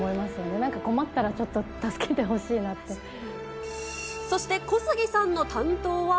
なんか困ったらちょっと助けてほそして、小杉さんの担当は。